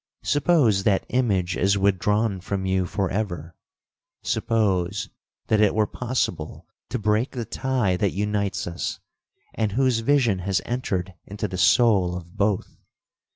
Suppose that image is withdrawn from you for ever,—suppose that it were possible to break the tie that unites us, and whose vision has entered into the soul of both.'